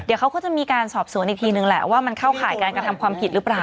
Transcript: เดี๋ยวเขาก็จะมีการสอบสวนอีกทีนึงแหละว่ามันเข้าข่ายการกระทำความผิดหรือเปล่า